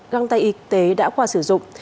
và băng tay y tế đã qua sử dụng